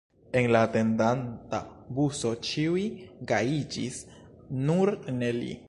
En la atendanta buso ĉiuj gajiĝis, nur ne li.